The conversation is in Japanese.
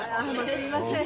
すいません。